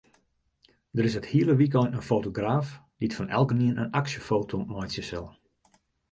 Der is it hiele wykein in fotograaf dy't fan elkenien in aksjefoto meitsje sil.